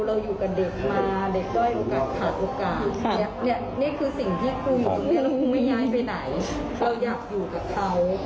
โอเค